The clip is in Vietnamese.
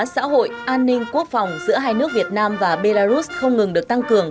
xã hội an ninh quốc phòng giữa hai nước việt nam và belarus không ngừng được tăng cường